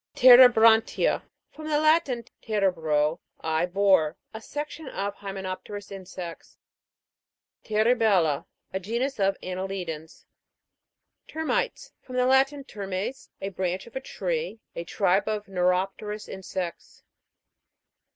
TEREBRAN'TIA. From the Latin, tere bro, I bore. A section of hyme nopterous insects. TERIBEI/LA. A genus of anneli dans. TER'MITES. From the Latin, termes, a branch of a tree. A tribe of neuropterous insects.